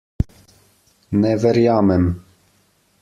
Ne verjamem!